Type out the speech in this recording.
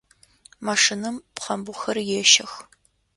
Машинэм пхъэмбгъухэр ещэх.